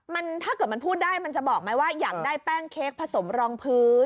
มันถ้าเกิดมันพูดได้มันจะบอกไหมว่าอยากได้แป้งเค้กผสมรองพื้น